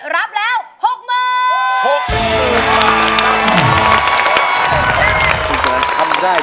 ร้องได้แบบนี้รับแล้วหกเมิน